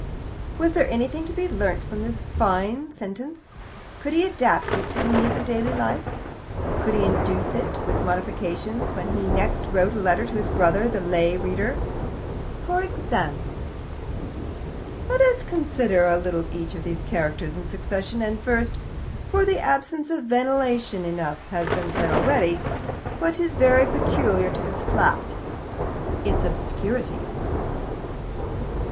Was there anything to be learnt from this fine sentence? Could he adapt it to the needs of daily life? Could he introduce it, with modifications, when he next wrote a letter to his brother, the lay reader? For example "Let us consider a little each of these characters in succession, and first (for of the absence of ventilation enough has been said already), what is very peculiar to this flat its obscurity.